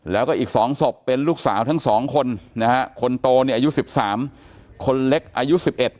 แล้วก็อีก๒ศพเป็นลูกสาวทั้งสองคนนะฮะคนโตเนี่ยอายุ๑๓คนเล็กอายุ๑๑